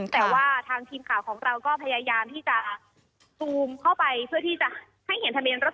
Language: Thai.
แต่ว่าทางทีมข่าวของเราก็พยายามที่จะซูมเข้าไปเพื่อที่จะให้เห็นทะเบียนรถ